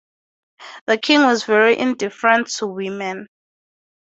The king was very indifferent to women.